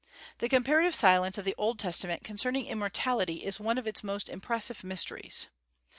The comparative silence of the Old Testament concerning immortality is one of its most impressive mysteries.